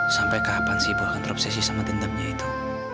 sampai kapan si ibu akan terobsesi sama dendamnya itu